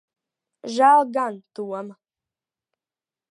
Žēl gan Toma.